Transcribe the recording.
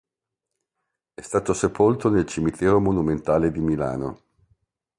È stato sepolto nel Cimitero monumentale di Milano.